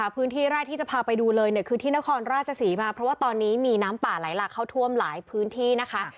พื้นที่แรกที่จะพาไปดูเลยเนี่ยคือที่นครราชศรีมาเพราะว่าตอนนี้มีน้ำป่าไหลหลากเข้าท่วมหลายพื้นที่นะคะ